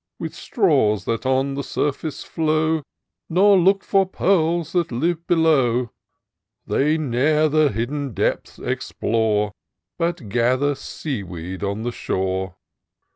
With straws that on the sur&ce flow, Nor look for pearls that live below : They ne'er the hidden depths explore, But gather sea weed on the shore